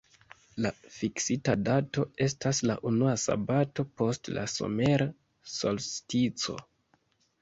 La fiksita dato estas la unua sabato post la somera solstico.